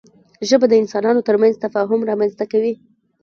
ژبه د انسانانو ترمنځ تفاهم رامنځته کوي